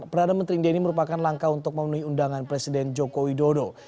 perdana menteri india ini merupakan langkah untuk memenuhi undangan presiden joko widodo